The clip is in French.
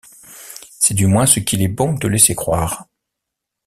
C'est du moins ce qu'il est bon de laisser croire.